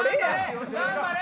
頑張れ！